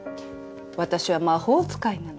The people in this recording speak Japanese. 私は魔法使いなの。